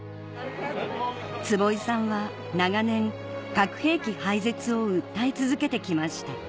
坪井さんは長年核兵器廃絶を訴え続けて来ました